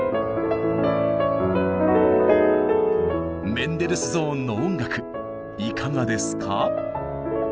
メンデルスゾーンの音楽いかがですか？